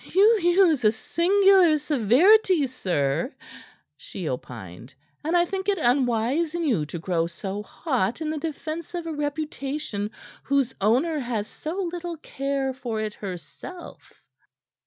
"You use a singular severity, sir," she opined, "and I think it unwise in you to grow so hot in the defence of a reputation whose owner has so little care for it herself."